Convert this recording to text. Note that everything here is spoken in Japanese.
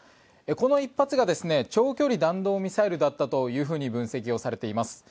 この１発が長距離弾道ミサイルだったと分析をされています。